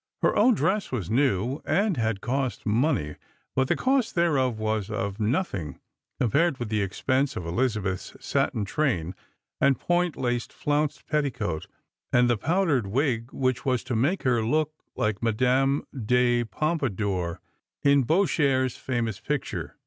Her own dress was new and had cost money, but the cost thereof was as nothing compared with the expense of Elizabeth's satin train and point lace flounced petticoat, and the powdered wig which was to make her look like Madame de Pompadour in Boucher's famous picture.